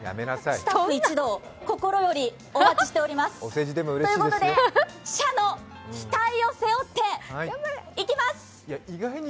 スタッフ一同心よりお待ちしております。ということで社の期待を背負っていきます！